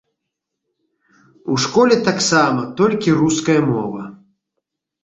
У школе таксама толькі руская мова.